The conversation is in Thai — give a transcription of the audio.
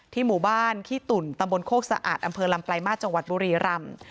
หมู่บ้านขี้ตุ่นตำบลโคกสะอาดอำเภอลำปลายมาสจังหวัดบุรีรำ